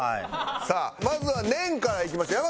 さあまずは年からいきましょう。